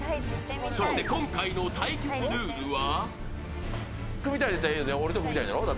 そして今回の対決ルールは？